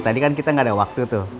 tadi kan kita gak ada waktu tuh